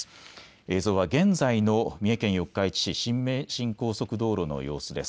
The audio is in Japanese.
映像は現在の三重県四日市市、新名神高速道路の様子です。